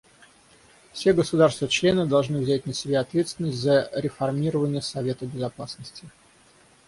Все государства-члены должны взять на себя ответственность за реформирование Совета Безопасности.